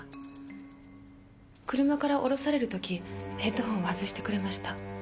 車から降ろされる時ヘッドホンを外してくれました。